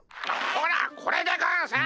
ほらこれでゴンス！